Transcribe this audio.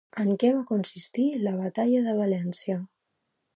En què va consistir la Batalla de València?